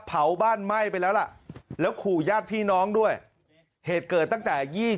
เผาบ้านไหม้ไปแล้วล่ะแล้วขู่ญาติพี่น้องด้วยเหตุเกิดตั้งแต่๒๐